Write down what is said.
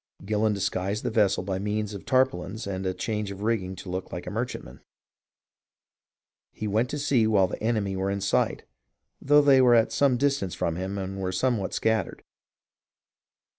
Gillon disguised his vessel by means of tarpaulins and a change of rigging to look like a merchantman. He went to sea while the enemy were in sight, though they were at some distance from him and were somewhat scattered.